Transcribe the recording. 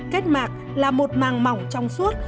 kết mạc là một màng mỏng trong suốt